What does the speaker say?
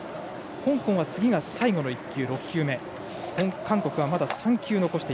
香港は次が最後の１球。